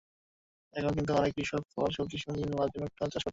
এখন কিন্তু অনেক কৃষক ফল, সবজিসহ বিভিন্ন লাভজনক ফসল চাষ করছেন।